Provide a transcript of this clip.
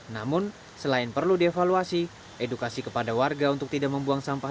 namun selain perlu dievaluasi edukasi kepada warga untuk tidak membuang sampah